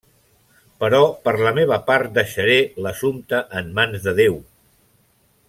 Però per la meva part deixaré l'assumpte en mans de Déu.